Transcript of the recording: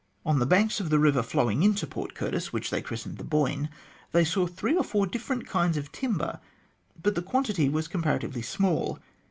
On the banks of a river flowing into Port Curtis, which they christened the Boyne, they saw three or four different kinds of timber, but the quantity was comparatively small.